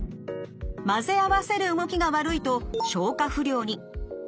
混ぜ合わせる動きが悪いと消化不良に。